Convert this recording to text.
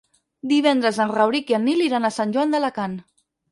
Divendres en Rauric i en Nil iran a Sant Joan d'Alacant.